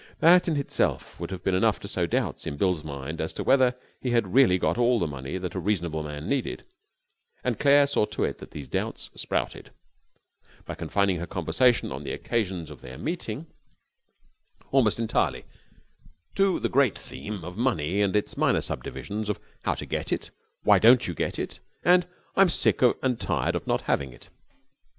That in itself would have been enough to sow doubts in Bill's mind as to whether he had really got all the money that a reasonable man needed; and Claire saw to it that these doubts sprouted, by confining her conversation on the occasions of their meeting almost entirely to the great theme of money, with its minor sub divisions of How to Get It, Why Don't You Get It? and I'm Sick and Tired of Not Having It.